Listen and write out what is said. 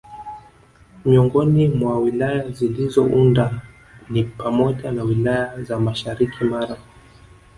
Miongoni mwa Wilaya zilizounda ni pamoja na wilaya za mashariki Mara